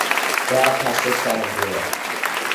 დააფასე სანამ დროა